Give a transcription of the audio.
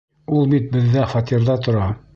Ул бит беҙҙә фатирҙа тора.